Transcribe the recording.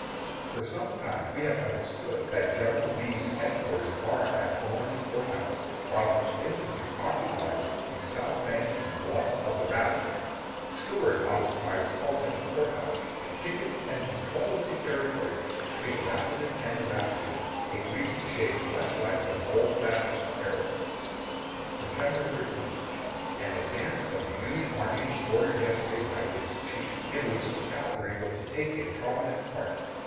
For some time past we have understood that General Lee's headquarters are at Orange Court House, while his infantry occupies the south banks and bluffs of the Rapidan. Stuart occupies Culpepper Court House, and pickets and patrols the territory between the Rapidan and the Rappahannock, a region shaped much like an old fashioned harrow. September 13. An advance of the Union army was ordered yesterday by its Chief, in which the cavalry was to take a prominent part.